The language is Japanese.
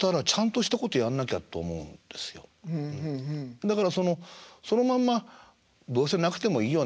だからそのそのまんまどうせなくてもいいよね